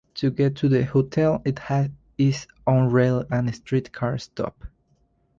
To get to the hotel it had is own rail and streetcar stop.